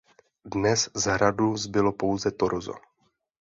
Dnes z hradu zbylo pouze torzo.